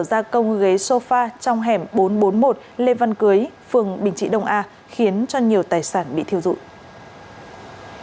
gia công ghế sofa trong hẻm bốn trăm bốn mươi một lê văn cưới phường bình trị đông a khiến cho nhiều tài sản bị thiêu dụi